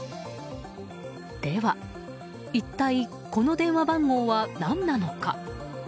では一体この電話番号は何なのか？